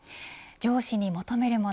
上司に求めるもの